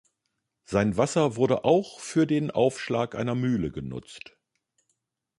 Sein Wasser wurde auch für den Aufschlag einer Mühle genutzt.